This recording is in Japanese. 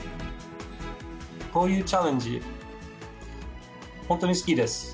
こういうチャレンジ、本当に好きです。